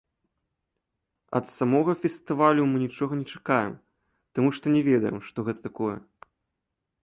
Ад самога фестывалю мы нічога не чакаем, таму што не ведаем, што гэта такое.